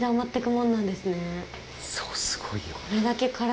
そうすごいよ。